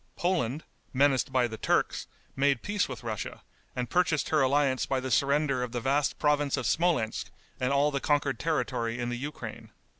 Poland, menaced by the Turks, made peace with Russia, and purchased her alliance by the surrender of the vast province of Smolensk and all the conquered territory in the Ukraine.